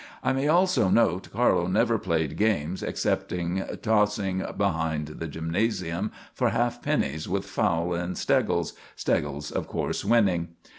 I may also note Carlo never played games, excepting tossing behind the gymnasium for half pennies with Fowle and Steggles, Steggles, of course, winning.